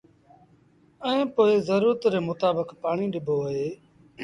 ائيٚݩ پو زرورت ري متآبڪ پآڻيٚ ڏبو اهي